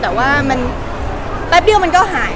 แต่ว่ามันแป๊บเดียวมันก็หาย